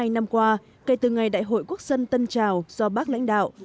bảy mươi hai năm qua kể từ ngày đại hội quốc dân tân trào do bác lãnh đạo